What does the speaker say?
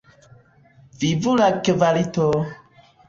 Vivu la kvalito!